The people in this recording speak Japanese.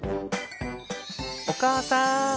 お母さん。